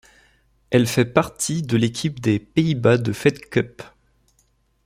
Elle fait partie de l'équipe des Pays-Bas de Fed Cup.